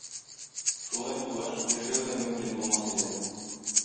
Шулай булгач яшәү дә мөмкин булмас иде.